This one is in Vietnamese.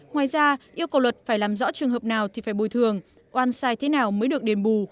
ngoài ra yêu cầu luật phải làm rõ trường hợp nào thì phải bồi thường oan sai thế nào mới được đền bù